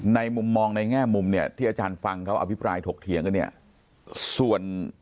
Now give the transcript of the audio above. ในมุมมองในแง่มุมที่อาจารย์ฟังเขาอภิปรายถกเทียงกัน